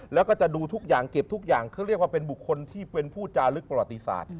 แล้วก็จะดูทุกอย่างเก็บทุกอย่างเขาเรียกว่าเป็นบุคคลที่เป็นผู้จาลึกประวัติศาสตร์